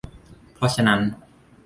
เพราะฉะนั้น